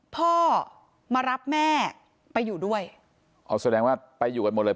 พ่อมารับแม่ไปอยู่ด้วยอ๋อแสดงว่าไปอยู่กันหมดเลย